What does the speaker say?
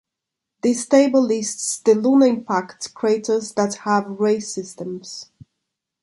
This table lists the lunar impact craters that have ray systems.